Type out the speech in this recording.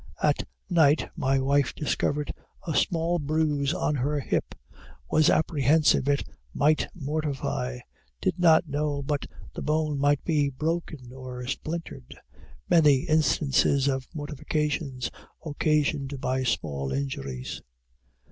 At night my wife discovered a small bruise on her hip was apprehensive it might mortify did not know but the bone might be broken or splintered many instances of mortifications occasioned by small injuries.